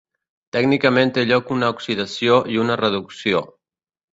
Tècnicament té lloc una oxidació i una reducció.